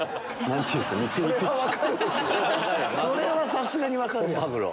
それはさすがに分かる。